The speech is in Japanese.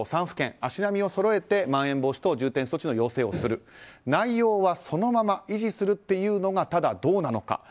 ３府県足並みをそろえてまん延防止等重点措置の要請をする、内容はそのまま維持するというのがただ、どうなのか。